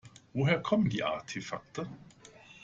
Woher kommen die Artefakte?